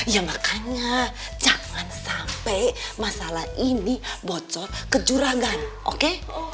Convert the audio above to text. ya makanya jangan sampai masalah ini bocor kecurangan oke